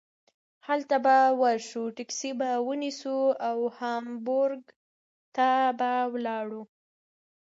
هلته به ور شو ټکسي به ونیسو او هامبورګ ته به لاړو.